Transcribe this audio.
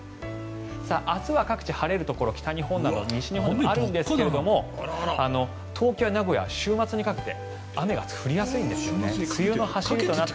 明日は各地晴れるところ北日本、西日本などあるんですが東京、名古屋、週末にかけて雨が降りやすいんです。